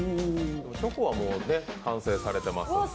チョコはもう完成されてますんで。